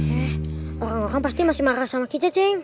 eh orang orang pasti masih marah sama kici ceng